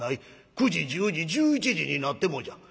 ９時１０時１１時になってもじゃ。